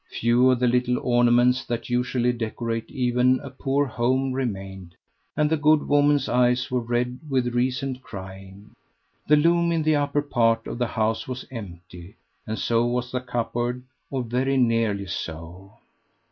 Few of the little ornaments that usually decorate even a poor home remained, and the good woman's eyes were red with recent crying. The loom in the upper part of the house was empty, and so was the cupboard, or very nearly so.